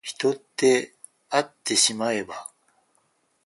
人ってあってしまえば